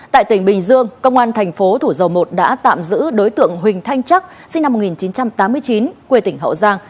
tại tỉnh bình dương công an thành phố thủ dầu một đã tạm giữ đối tượng huỳnh thanh chắc sinh năm một nghìn chín trăm tám mươi chín quê tỉnh hậu giang